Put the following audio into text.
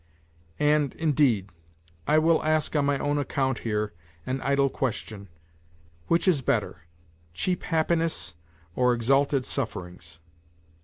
..." And, indeed, I will ask on my own account here, an idle question : which is better cheap happiness or exalted suffer ings